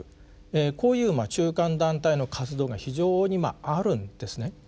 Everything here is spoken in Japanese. こういう中間団体の活動が非常にあるんですね。